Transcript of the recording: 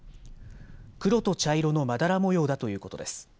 黒と茶色のまだら模様だということです。